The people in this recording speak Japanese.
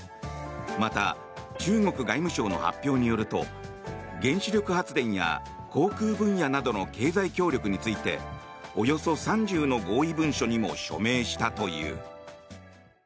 また、中国外務省の発表によると原子力発電や航空分野などの経済協力についておよそ３０の合意文書にも署名したという。